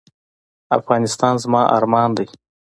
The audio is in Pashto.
افغانستان زما ارمان دی